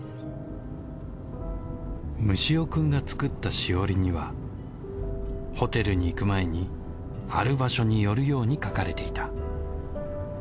蒸し男くんが作ったしおりにはホテルに行く前にある場所に寄るように書かれていた。